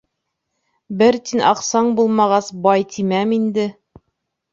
Бер тин аҡсаң булмағас, бай тимәм инде.